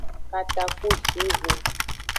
Katakpucive.